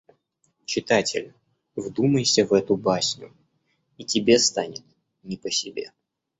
Читатель, вдумайся в эту басню и тебе станет не по себе.